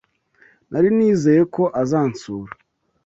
Nari nizeye ko azansura.